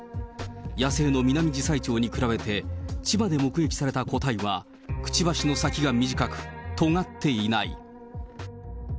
野生のミナミジサイチョウに比べて、千葉で目撃された個体は、くちばしの先が短く、とがっていない。